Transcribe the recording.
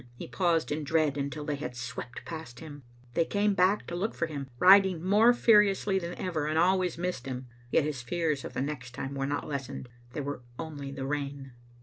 He paused in dread, until they had swept past him. They came back to look for him, riding more furiously than ever, and always missed him, yet his fears of the next time were not lessened. They were only the rain.